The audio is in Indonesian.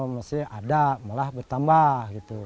masih ada malah bertambah